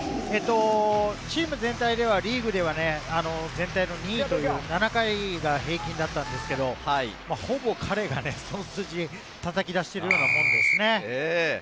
チーム全体では、リーグでは全体２位という７回が平均だったんですが、ほぼ彼がその数字を叩き出しているようなものですね。